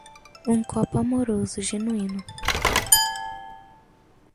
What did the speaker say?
Um copo amoroso genuíno.